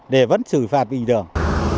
để vẫn xử phạt bình thường